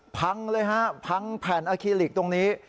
พังเลยฮะพังแผ่นอาคิลิกตรงนี้